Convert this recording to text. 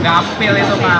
gampil itu pak